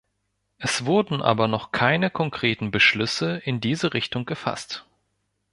Es wurden aber noch keine konkreten Beschlüsse in diese Richtung gefasst.